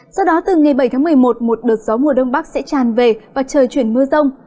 sau đó từ ngày bảy tháng một mươi một một đợt gió mùa đông bắc sẽ tràn về và trời chuyển mưa rông